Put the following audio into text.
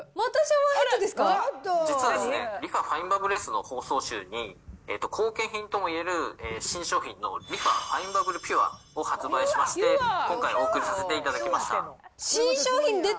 実は、リファファインバブルＳの放送週に、後継品ともいえる新商品のリファファインバブルピュアを発売しまして、今回、お送りさせていただきました。